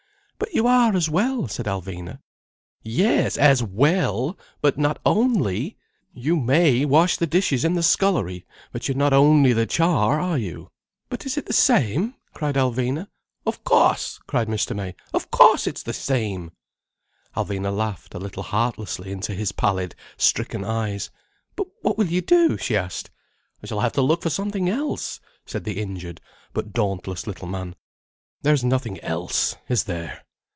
"But you are, as well," said Alvina. "Yes, as well. But not only! You may wash the dishes in the scullery. But you're not only the char, are you?" "But is it the same?" cried Alvina. "Of cauce!" cried Mr. May. "Of cauce it's the same." Alvina laughed, a little heartlessly, into his pallid, stricken eyes. "But what will you do?" she asked. "I shall have to look for something else," said the injured but dauntless little man. "There's nothing else, is there?"